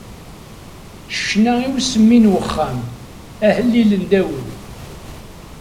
Ccna i usemmi n uxxam, ahellil n Dawed.